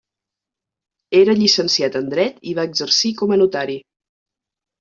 Era llicenciat en dret i va exercir com a notari.